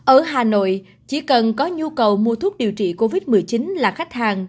ở hà nội chỉ cần có nhu cầu mua thuốc điều trị covid một mươi chín là khách hàng